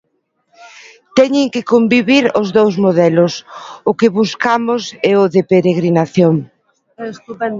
Teñen que convivir os dous modelos: o que buscamos e o de peregrinación.